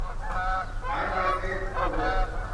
หลายประเทศที่เข้าร่วม